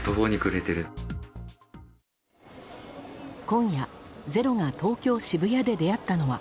今夜、「ｚｅｒｏ」が東京・渋谷で出会ったのは。